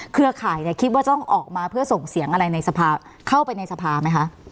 เครือข่ายเนี่ยคิดว่าต้องออกมาเพื่อส่งเสียงอะไรในสภาเข้าไปในสภาไหมคะ